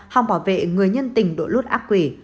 hòng bảo vệ người nhân tình độ lút ác quỷ